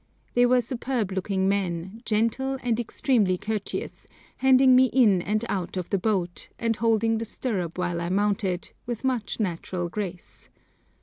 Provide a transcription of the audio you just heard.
They were superb looking men, gentle, and extremely courteous, handing me in and out of the boat, and holding the stirrup while I mounted, with much natural grace.